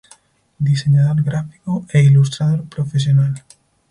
Diseñador gráfico e ilustrador profesional.